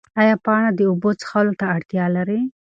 ایا پاڼه د اوبو څښلو ته اړتیا لري؟